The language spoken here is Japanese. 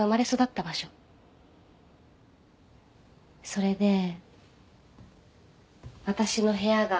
それで私の部屋が。